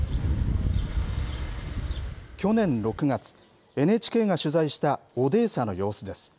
去年６月、ＮＨＫが取材したオデーサの様子です。